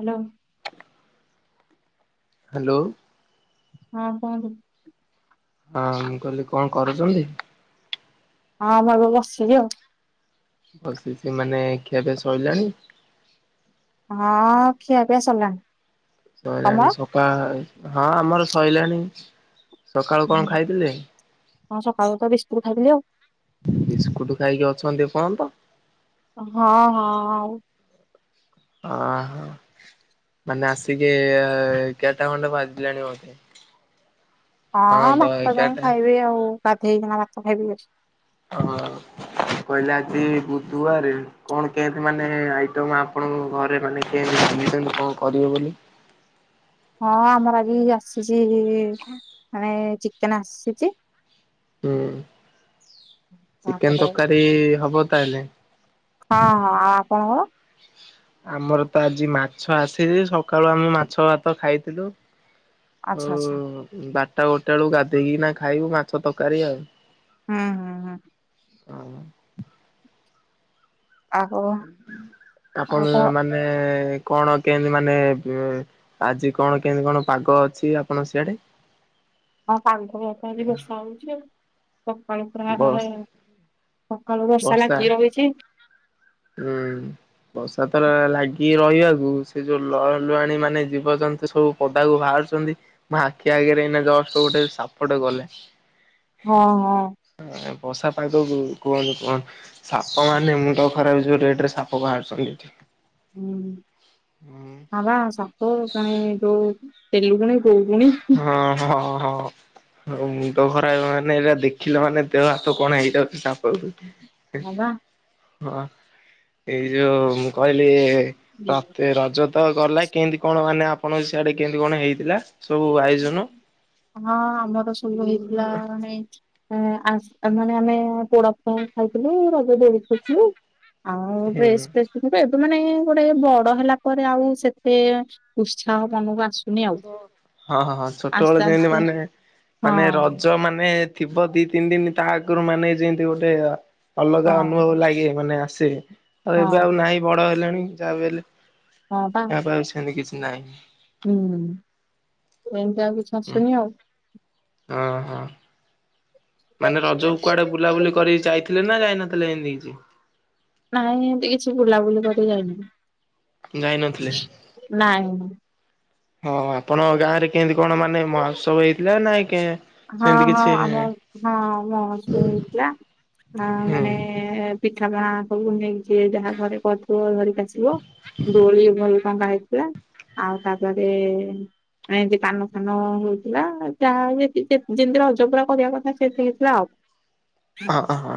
Hello. Hello. ହଁ କହନ୍ତୁ। ହଁ ମୁଁ କହିଲି କଣ କରୁଛନ୍ତି? ହଁ ମୁଁ ଏବେ ବସିଛି ଆଉ। ବସିଛି ମାନେ ଖିଆପିଆ ସରିଲାଣି? ହଁ ଖିଆ ପିଆ ସରିଲାଣି। ସରିଲାଣି ତମର? ସକାଳ ହଁ ଆମର ସଇଲାଣି। ସକାଳୁ ହୁଁ କଣ ଖାଇଥିଲେ? ହଁ ସକାଳୁ ତ ବିସ୍କୁଟ ଖାଇଥିଲି ଆଉ। ବିସ୍କୁଟ ଖାଇକି ଅଛନ୍ତି ଏପର୍ଯ୍ୟନ୍ତ? ହଁ ହଁ ଆଉ ଓ ହୋ। ମାନେ ଆସିକି ଏଗାରଟା ଖଣ୍ଡେ ବାଜିଲାଣି ବୋଧେ? ହଁ ତ ଭାତ ଯାଇ ଏଗାରଟା ଖାଇବି ଆଉ ଗାଧେଇ କିନା ଭାତ ଖାଇବି। ହଁ। କହିଲେ ଆଜି ବୁଧବାର କଣ କେମିତି ମାନେ ଆଇଟମ ଆପଣଙ୍କ ଘରେ ମାନେ କେନ୍ତି? ଏମିତି ଏମିତି କଣ କରିବ ବୋଲି? ହଁ ଆମର ଆଜି ଆସିଛି ମାନେ ଚିକେନ ଆସିଛି। ହୁଁ ଚିକେନ ତାପରେ ତରକାରୀ ହବ ତାହେଲେ। ହଁ ହଁ ଆଉ ଆପଣଙ୍କର? ଆମର ତ ଆଜି ମାଛ ଆସିିଲି ସକାଳୁ ଆମେ ମାଛ ଭାତ ଖାଇଥିଲୁ। ଆଚ୍ଛା ଆଚ୍ଛା ହଉ ବାରଟା ଗୋଟେ ବେଳକୁ ଗାଧେଇକି ନା ଖାଇବୁ ମାଛ ତରକାରୀ ଆଉ। ହୁଁ ହୁଁ ହୁଁ। ହୁଁ। ଆଉ ଆଉ ଆପଣ କଣ ମାନେ କଣ କେମିତି ମାନେ ଆଜି କଣ କେମତି କଣ ପାଗ ଅଛି, ଆପଣ ସିଆଡେ? ଆ କାଳିଠୁ [unintelligible] ବଷା ହଉଛି ଆଉ, ସକାଳୁ ବସ ପୁରା-ଆ-ଆ-ଆ ସକାଳୁ ବର୍ଷା ଲାଗି କିି ରହିଛି। ହୁଁ। ବର୍ଷା ତର ଲାଗି ରହିଆକୁ, ସେ ଯୋଉ ଲ ଲୁହାଣୀ ମାନେ ଜୀବଜନ୍ତୁ, ସବୁ ପଦାକୁ ବାହାର ରୁ ଛନ୍ତି। ମ ଆଖି ଆଗରେ ଏଇନା ଜଷ୍ଟ ଗୋଟେ ସାପଟେ ଗଲେ। ହଁ, ହଁ। ବଷା ପାଗକୁ କୁହନି, କୁହନି, ସାପ ମାନେ ମୁଁଣ୍ଡ ଖ ଖରାପ ହେଇଯିବ, ରେଟ୍ ରେ ସାପ ବାହାରୁଛନ୍ତି ଏଠି। ହୁଁ, ହବା ସାପ କାଣେ ଯୋଉ ତେଲୁଗୁଣି କଉଗୁଣି ହଁ ହଁ ହଁ। ହ, ମୁଁଣ୍ଡ ଖରାପ ମାନେ ଏଇରା ଦେଖିଲା ମାନେ, ଦେହ ହାତ କଣ ହେଇଯାଉଛି ସାପକୁ। ହଁ ବା ହଁ, ଏଇ ଯୋଉ ମୁଁ କହିଲି-ଇ ଏ ରଜ ତ ଗଲା କେଁତି କଣ ମାନେ ଆପଣଙ୍କ ସିଆଡେ କେଁତି କଣ ହେଇଥିଲା? ସବୁ ଆୟୋଜନ? ହଁ ଆମର ସୁ ହେଇଥିଲା। ଏଁ ଆସ୍ ମାନେ, ଆମେ ପୋଡା ପୁ ଖାଇଥିଲୁ, ରଜ ଦୋଳି ଖେରଥିଲୁ। ଆଉ, ହୁଁ। ଡ୍ରେସ୍ ଫ୍ରେଶ୍ ତ ଥିବ, ଏବେ ମାନେ ଏଁ ଗୋଟେ ବଡ ହେଲା ପରେ, ଆଉ ସେତେ ଉତ୍ସାହ ମନକୁ ଆସୁନି ଆଉ। ହଁ ହଁ ହଁ ଛୋଟବେଳେ ଆସ୍ତେ ଯେଁତି ଆସ୍ତେ ମାନେ, ମାନେ ହଁ ରଜ ମାନେ ଥିବ ଦି ତିନି ଦିନ ତା ଆଗରୁ ମାନେ ଯିଁତି ଗୋଟେ ଅଲଗା ହଁ ଅନୁଭବ ଲାଗେ। ମାନେ ଆସ ସେ ଆଉ, ହଁ ଏବେ ଆଉ ନାହିଁ ବଡ ହେଲାଣି। ଯାହା ବି ହେଲେ ହଁ ବା ଏହା ପାଇଁ ଆଉଛନ୍ତି କିଛି ନାଇଁ ହୁଁ, ଏମତିଆ କିଛି ଆସୁନି ଆଉ? ଅ ହ। ମାନେ ରଜକୁ କୁଆଡେ ବୁଲାବୁଲି କରିି ଯାଇଥିଲେ ନା ଯାଇନଥିଲେ ଏଁତି କିଛି? ନାଇଁ, ଏମତି କିଛି ବୁଲାବୁଲି କରି ଯାଇନି। ଯାଇନଥିଲେ। ନାଇଁ, ହଁ, ଆପଣଙ୍କ ଗାଁ ରେ କେଁତି କଣ ମାନେ ମହୋତ୍ସବ ହେଇଥିଲା! ନା କେଁ ହଁ, ହଁ, ଆମ ହଁ ମହସୁ ହେଇଥିଲା। ନାଁ, ହୁଁ ମାନେ-ଏ ପିଠା ପଣା ସବୁ ନେଇ ଯିଏ ଯାହା ଘରେ କହିଥିବ ଧରିକି ଆସିବ। ଦୋଳି ଭଲ ଟଙ୍ଗା ହେଇଥିଲା। ଆଉ ତା'ପରେ ଏଁତି କାନ ଫାନ ହଉଥିଲା। ଯାହା ଯେତି ସେ, ଯେମିତି ରଜ ପୁରା କରିବା କଥା ସେତିକି ଥିଲା ଆଉ। ହ ହ।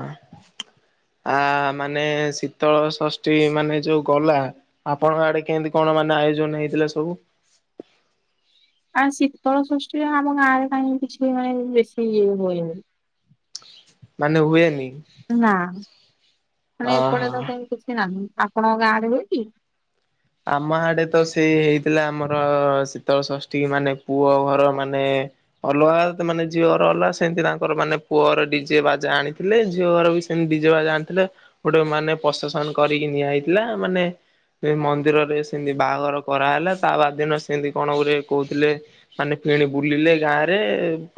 ଆ ମାନେ ଶୀତଳ ଷଷ୍ଠୀ ମାନେ ଯୋଉ ଗଲା! ଆପଣଙ୍କ ଆଡେ କେଁତି କଣ ମାନେ ଆୟୋଜନ ହେଇଥିଲା ସବୁ? ଆ ଶୀତଳ ଷଷ୍ଠୀରେ ରେ, ଆମ ଗାଁରେ କାହିଁ କିଛି ମାନେ ବେଶୀ ଇଏ ହୁଏନି। ମାନେ ହୁଏନି। ନା ମାନେ ଏପଟେ ତ ଅହ। କାହି କିଛି ନାହିଁ? ଆପଣଙ୍କ, ଗାଁ ରେ ହୁଏକି? ଆମ ଆଡେ ତ ସେଇ ହେଇଥିଲା। ଆମର ଶୀତଳ ଷଷ୍ଠୀ ମାନେ, ପୁଅ ଘର ମାନେ ଅଲଗା ମାନେ, ଝିଅର ଅଲଗା ସେମିତି ତାଙ୍କର ମାନେ ପୁଅର ଡିଜେ ବାଜା ଆଣିଥିଲେ, ଝିଅ ଘର ବି? ସେମ୍ ଡ଼ିଜେ ବାଜ ଆଣିଥିଲେ, ଗୋଟେ ମାନେ ପ୍ରଶେସନ କରିକି ନିଆ ହେଇଥିଲା। ମାନେ ମନ୍ ମନ୍ଦିରରେ ସେମତି ବାହାଘର କରାହେଲା। ତା ବା ଦିନ ସେମିତି କଣ ଗୁରେ କହୁଥିଲେ, ମାନେ ଫିଣି ବୁଲିଲେ। ସେ ଗାଁ ରେ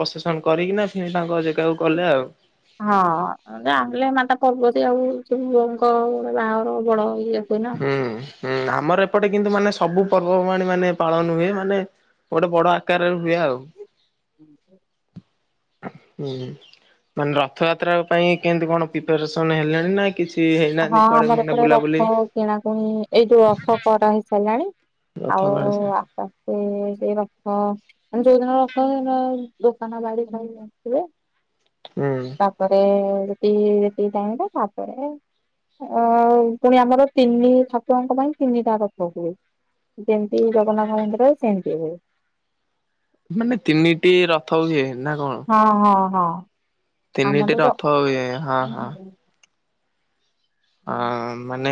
ପ୍ରଶେସନ୍ କରିକିନା ସେ ତାଙ୍କ ଜେଗାକୁ ଗଲେ ଆଉ। ହଁ, ଆଣିଲେ ମାତା ପର୍ବତୀ ଆଉ, ସବୁ ଲୁଅଙ୍କ ଗୋଟେ ବାହାଘର ବଡ ଇଏ ହୁଏ ନା ହୁଁ ହୁଁ, ଆମର ଏପଟେ କିନ୍ତୁ ମାନେ ସବୁ ପର୍ବପବାଣି ମାନେ ପାଳନ ହୁଏ। ମାନେ ଗୋଟେ ବଡ ଆକାରରେ ହୁଏ ଆଉ। ହୁଁ, ମାନେ ରଥଯାତ୍ରା ପାଇଁ କେମିତି କଣ ପ୍ରିପାରେସନ୍ ହେଲେଣି ନା କିଛି ହେଇନାହାନ୍ତି କୁଆଡେ ମାନେ ବୁଲାବୁଲି? କିଣାକିଣି ଏଇ ଯୋଉ ରଥ କରାହେଇ ସାରିଲାଣି। ରଥ ଆଉ ହୁଁ ଆସ୍ତେ ଆସ୍ତେ ସେ ହଁ ଯୋଉଦିନ ରଖ ଦୋକାନ ବାଡି ନେଇ ଆସିଥିବେ। ତାପରେ [unintelligible] ତାପରେ ଅ ପୁଣି ଆମର ତିନି ଛାକୁଙ୍କ ପାଇଁ ତିନିଟା ରତ ହୁଏ। ଯେମିତି ଜଗନ୍ନାଥ ମନ୍ଦିର ସେମିତି ଏବେ। ମାନେ ତିନିଟି ରଥ ହୁଏ। ନା କଣ? ହଁ ହଁ ହଁ ଆମ ତିନିଟି ରଥ ହୁଏ ହଁ ଅ ମାନେ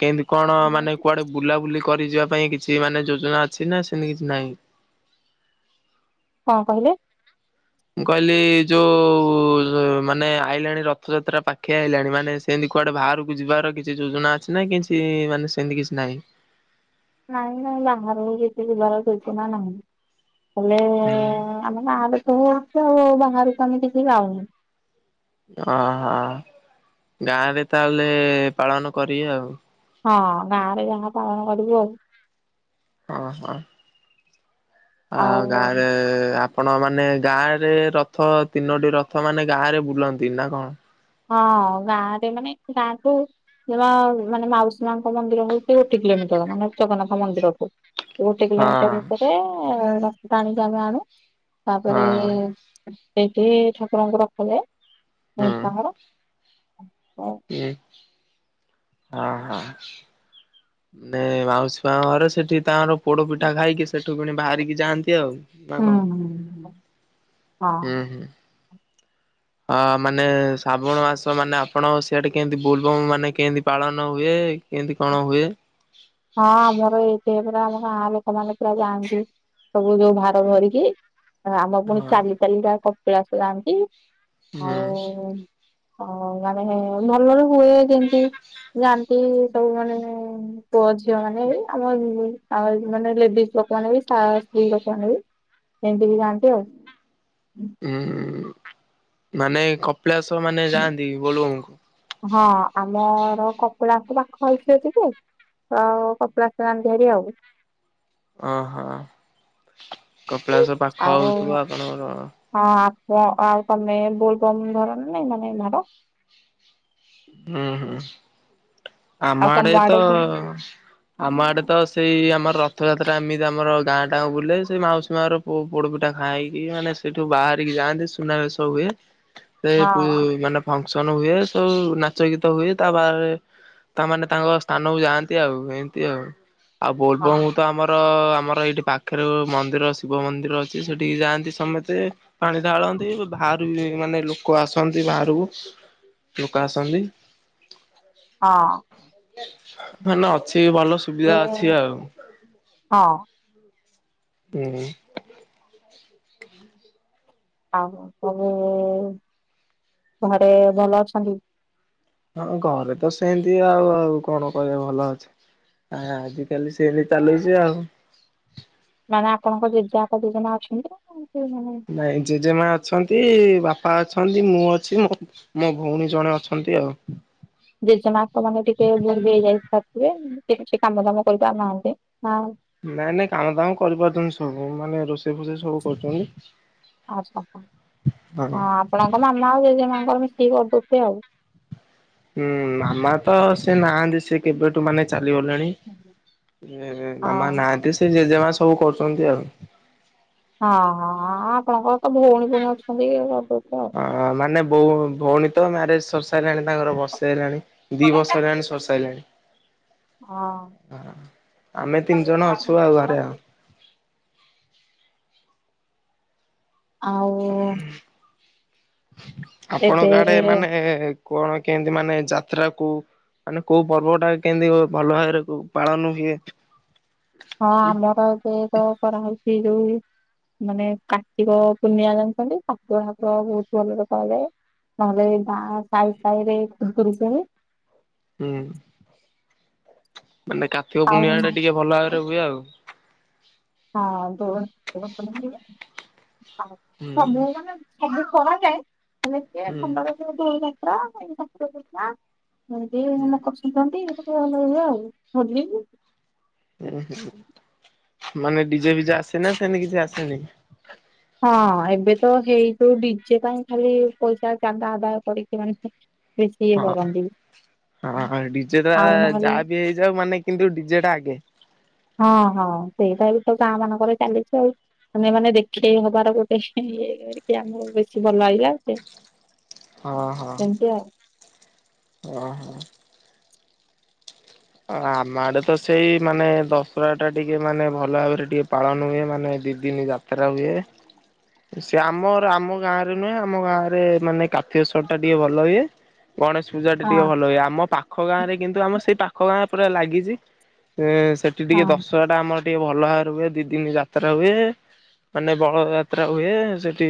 କେମିତି କଣ ମାନେ କୁଆଡେ ବୁଲାବୁଲି କରି ଯିବା ପାଇଁ କିଛି ମାନେ ଯୋଜନା ଅଛି ନା ସେମିତି କିଛି ନାହିଁ। ହଁ କହିଲେ। ମୁଁ କହିଲି ଯୋଉ ମାନେ ଆଇଲାଣି ରଥଯାତ୍ରା ପାଖେଇ ଆଇଲାଣି ମାନେ ସେମିତି କୁଆଡେ ବାହାରକୁ ଯିବାର କିଛି ଯୋଜନା ଅଛି ନା କି କି ମାନେ ସେମିତି କିଛି ନାହିଁ। ନାଇଁ ନାଇଁ ବାହାର [unintelligible] ଯିବାର କିଛି ନା ନାହିଁ। ହେଲେ ହୁଁ ଆମେ ଗାଁରେ ତ ଆଉ ବାହାରକୁ ଆମେ ଟିକେ ଯାଉନି। ଅହ ଗାଁ ରେ ତାହେଲେ ପାଳନ କରିବେ ଆଉ। ହଁ ଗାଁ ରେ ଯାହା ପାଳନ କରିବୁ ଆଉ। ଅ ହଁ। ଆ ଆଉ ଗାଁ ରେ ଆପଣ ମାନେ ଗାଁ ରେ ରଥ ତିନୋଟି ରଥ ମାନେ ଗାଁ ରେ ବୁଲନ୍ତି ନା କଣ? ହଁ ଗାଁ ରେ ମାନେ ଗାଁକୁ ମା ମାନେ ମାଉସୀ ମାଙ୍କ ମନ୍ଦିର ହଉ ସେ ଗୋଟେ କିଲୋମିଟର ମାନେ ଜଗନ୍ନାଥ ମନ୍ଦିରଠୁ। ଗୋଟେ ହଁ କିଲୋମିଟର ଭିତରେ ଟାଣିକି ଆମେ ଆଣୁ ତାପରେ ହଁ ସେଇଠି ଠାକୁରଙ୍କୁ ରଖିଲେ ତାଙ୍କର ଏ ହଁ ହଁ ମାଉସୀ ମା ଘରେ ସେଠି ତାଙ୍କର ପୋଡ ପିଠା ଖାଇକି ସେଠୁ କିଣି ବାହାରିକି ଯାଆନ୍ତି ଆଉ। ନା ହୁଁ। କଣ ହୁଁ ହୁଁ। ଅ ମାନେ ଶ୍ରାବଣ ମାସ ମାନେ ଆପଣ ସିଆଡେ କେମିତି ବୋଲବମ୍ ମାନେ କେମିତି ପାଳନ ହୁଏ? କେମିତି କଣ ହୁଏ? ହଁ ଆମର ଏଇଠି ପୁରା ଆମର ଗାଁ ଲୋକମାନେ ପୁରା ଯାଆନ୍ତି। ସବୁ ଯୋଉ ଭାର ଧରିକି। ଆମ ପୁଣି ହଁ ଚାଲି ଚାଲି ଟା କପିଳା ଆସ ଯାଆନ୍ତି ହୁଁ ଆଉ ହଁ ମାନେ ଭଲ ର ହୁଏ ଯେମିତି ଯାଆନ୍ତି ସବୁ ମାନେ ପୁଅ ଝିଅ ମାନେ ବି ଆମ ଆ ମାନେ ଲେଡିଜ ଲୋକ ମାନେ ବି ସ୍ତ୍ରୀ ଲୋକ ମାନ ବି ଏମିତି ବି ଖାଆନ୍ତି ଆଉ। ହୁଁ ମାନେ କପିଳାସ ମାନେ ଯାଆନ୍ତି ବୋଲମକୁ। ହଁ ଆମର କପିଳାସ ପାଖ ଆଖି ଯେତିକି ହଁ କପିଳାସ ଯାଆନ୍ତି ହେରି ଆଉ। ଓହୋ କପିଳାସ ପାଖ ଆଉ ହଉଥିବ ଆପଣଙ୍କର। ହଁ ଆପ ଆଉ ତମେ ବୋଲବମ୍ ଧର ନାଇ ମାନେ ବାର ହୁଁ ହୁଁ। ଆମ ଆଉ ତମ ଆଡେ ତ କେମିତି ଆମ ଆଡେ ତ ସେଇ ଆମର ରଥଯାତ୍ରା ଏମିତି ଆମର ଗାଁ ଟାଙ୍କ ବୁଲେ ସେ ମାଉସୀ ମାର ପୋଡପିଠା ଖାଇକି ମାନେ ସେଇଠୁ ବା ଠିକି ଯାଆନ୍ତି ସୁନା ସବୁ ହୁଏ ସେ ହଁ ମାନେ ଫଙ୍କସନ ହୁଏ ସବୁ ନାଚ ଗୀତ ହୁଏ ତାପହରେ ତାମାନେ ତାଙ୍କ ସ୍ଥାନକୁ ଯାଆନ୍ତି ଆଉ ଏମିତି ଆଉ। ଆଉ ହଁ ବୋଲବମ୍ ତ ଆମର ଆମର ଏଇଠି ପାଖରେ ମନ୍ଦିର ଶିବ ମନ୍ଦିର ଅଛି ସେଠିକି ଯାଆନ୍ତି ସମତେ ପାଣି ଢାଳନ୍ତି ବାହାରୁ ମାନେ ଲୋକ ଆସନ୍ତି ବାହାରକୁ ଲୋକ ଆସନ୍ତି। ହଁ ମାନ ଅଛି ଭଲ ସୁବିଧା ଏ ଅଛି ଆଉ ହଁ ହୁଁ ଆଉ ତମେ ଘରେ ଭଲ ଅଛନ୍ତି? ହଁ ଘରେ ତ ସେମିତି ଆଉ, ଆଉ କଣ କହିବା? ଭଲ ଅଛି। ଆ ଆଜିିକାଲି ସେନି ଚାଲୁଛି ଆଉ। ମାନେ ଆପଣଙ୍କ ଜେଜେ ବାପା ଜେଜେମା ଅଛନ୍ତି? ସେ ମାନେ ନାଇଁ ଜେଜେମା ଅଛନ୍ତି ବାପା ଅଛନ୍ତି, ମୁଁ ଅଛି, ମୋ ଭଉଣୀ, ଜଣେ ଅଛନ୍ତି ଆଉ ଜେଜେମାଆ ତ ମାନେ ଟିକେ ବୁଢ଼ୀ ହେଇ ଯାଇଥିବେ ଟିକେ ସେ କାମ ଦାମ କରିପାରୁନାହାନ୍ତି ନାଇଁ ନାଇଁ କାମ ଦାମ କରିପାରୁଛନ୍ତି ସବୁ ମାନେ ରୋଷେଇ ଫୋଷେଇ ସବୁ କରୁଛନ୍ତି। ଆଛା ହଁ ହଁ। ଆପଣଙ୍କ ମାମା ଆଉ ଜେଜେ ମାଙ୍କର ମି ସେ ଗର୍ବତେ ଆଉ [unintelligible] ହୁଁ ମାମା ତ ସେ ନାହାନ୍ତି ସେ କେବେଠୁ ମାନେ ଚାଲିଗଲେଣି ହଁ ମାମା ନାହାନ୍ତି ସେ ଜେଜେମା ସବୁ କରୁଛନ୍ତି ଆଉ ହଁ ହଁ ଆପଣଙ୍କର ତ ଭଉଣୀ ଭଉଣୀ ଅଛନ୍ତି ଆଉ ଉ ଭଉଣୀ ତ ମ୍ୟାରେଜ ସରି ହେଲାଣି ତାଙ୍କର ସରି ହେଲାଣି ଦି ବର୍ଷ ହେଲାଣି ସରି ସାଇଲାଣି। ହଁ ଆମେ ତିନି ଜଣ ଅଛୁ ଆଉ ଘରେ ଆଉ ଆଉ ଆପଣଙ୍କ ଆଡେ ଏବେ ମାନେ କଣ କେମିତି ମାନେ ଯାତ୍ରାକୁ ମାନେ କୋଉ ପର୍ବ ଟା କେମିତି ଭଲ ଭାବରେ ପାଳନ ହୁଏ? ହଁ ଆମର ଯେ ତ କରାହଉଛି ଯଉ ମାନେ କାର୍ତ୍ତିକ ପୂର୍ଣ୍ଣିମା ଜାଣିଛନ୍ତି ତାକୁ ଆମର ବହୁତ ଭଲରେ କରାଯାଏ। [unintelligible] ନହେଲେ ବା ସାଇ ସାଇ ରେ ଖୁଦୁରୁକୁଣୀ। ହୁଁ ମାନେ କାର୍ତିକ ଆଉ ପୁର୍ଣ୍ଣିଆ ହଁ ଟା ଟିକେ ଭଲ ଭାବରେ ହୁଏ ଆଉ ହଁ ଦ [unintelligible] ହୁଁ କଣ ଯାଏ ହୁଁ ସେମିତିଣ୍ଡର ଦ ଧଇ ଠାାତର ସେଇ ଦସା [unintelligible] କସିଥାନ୍ତିେ ଭଲ ହେଇ ଆଉ ଭଲ [unintelligible] ଉୁଁ ହୁଁ ମାନେ ଡିଜେ ଫିଜେ ଆସେ ନା ସେନି କିଛି ଆସେନି? ହଁ ଏବେ ତ ହେଇ ଯଉ ଡିଜେ ପାଇଁ ଖାଲି ପଇସା ଜାଗା ଆଦାୟ କରିଛି ମାନେ ସିଏ ହଁ କରନ୍ତି। ହଁ ଡିଜେ ଟା ଆଉ ନହେଲେ ଯାହା ବି ହେଇଯାଉ ମାନେ କିନ୍ତୁ ଡିଜେ ଟା ଆଗେ ହଁ ହଁ ସେଇଟା ବି ତ ଗାଁ ମାନଙ୍କର ଚାଲିଛି ଆଉ ମାନେ ମାନେ ଦେଖେଇ ହବାର ଗୋଟେ ଇଏ କରିକି ଆମକୁ ବେଶୀ ଭଲ ଏଇଆ ଗୋଟେ ହଁ ହଁ। ଓ ହୋ ଆମ ଆଡେ ତ ସେଇ ମାନେ ଦଶହରା ଟା ଟିକେ ମାନେ ଭଲ ଭାବରେ ଟିକେ ପାଳନ ହୁଏ ମାନେ ଦି ଦିନି ଯାତ୍ରା ହୁଏ। ସେ ଆମର ଆମ ଗାଁ ରେ ନୁହେଁ ଆମ ଗାଁରେ ମାନେ କାର୍ତିକସର ଟା ଟିକେ ଭଲ ହୁଏ ଗଣେଶ ପୂଜା ଟା ଟିକେ ଭଲ ହୁଏ ଆମ ପାଖ ଗାଁ ରେ କିନ୍ତୁ ଆମ ସେଇ ପାଖ ଗାଁରେ ପୁରା ଲାଗିଛି ସେଠି ହଁ ଟିକେ ହଁ ଦଶହରା ଟା ଆମର ଟିକେ ଭଲ ଭାବରେ ହୁଏ ଦି ଦିନ ଯାତ୍ରା ହୁଏ। ମାନେ ବଳଦ ଯାତ୍ରା ହୁଏ ସେଠି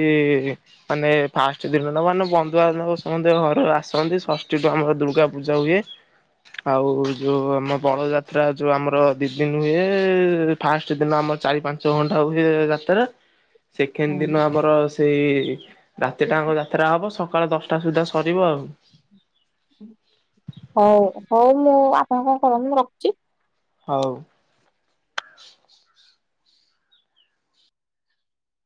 ମାନେ ଫାଷ୍ଟ ଦିନ ଟା ମାନେ ବନ୍ଧୁବାନ୍ଧବ ସମତେ ଘର କୁ ଆସନ୍ତି ଷଷ୍ଠୀଠୁ ଆମର ଦୁର୍ଗା ପୂଜା ହୁଏ ଆଉ ଯୋଉ ଆମ ବଳଯାତ୍ରା, ଯୋଉ ଆମର ଦି ଦିନ ହୁଏ, ଫାଷ୍ଟ ଦିନ ଆମର ଚାରି ପାଞ୍ଚ ଘଣ୍ଟା ହୁଏ ଯାତରା ସେଖେଣ୍ଡ ଦିନ ଆମର ସେଇ ରାତି ଟାଙ୍କ ଯାତ୍ରା ହବ ସକାଳ ଦସ୍ ଟା ସୁଦ୍ଧା ସରିବ ଆଉ ହଉ ହଉ ମୁଁ ଆପଣ କଣ କରନ୍ତୁ। ମୁଁ ରଖୁଛି। ହଉ